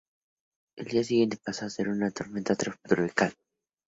El día siguiente, pasó a ser una tormenta subtropical.